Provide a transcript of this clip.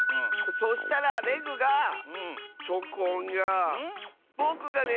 そしたらレグがチョコンがぼくがね